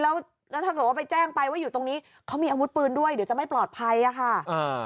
แล้วแล้วถ้าเกิดว่าไปแจ้งไปว่าอยู่ตรงนี้เขามีอาวุธปืนด้วยเดี๋ยวจะไม่ปลอดภัยอ่ะค่ะอ่า